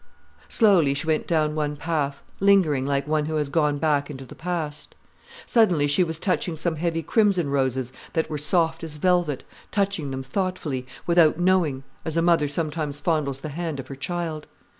Slowly she went down one path, lingering, like one who has gone back into the past. Suddenly she was touching some heavy crimson roses that were soft as velvet, touching them thoughtfully, without knowing, as a mother sometimes fondles the hand of her child.